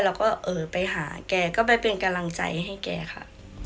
แล้วก็เออไปหาแกก็ไปเป็นกำลังใจให้แกค่ะ